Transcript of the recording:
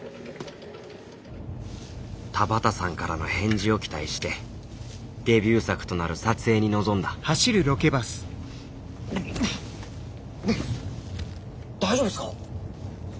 田畑さんからの返事を期待してデビュー作となる撮影に臨んだ大丈夫ですか？